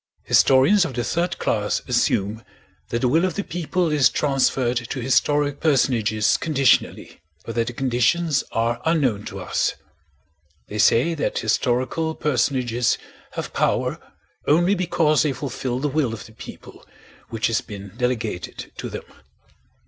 Historians of the third class assume that the will of the people is transferred to historic personages conditionally, but that the conditions are unknown to us. They say that historical personages have power only because they fulfill the will of the people which has been delegated to them.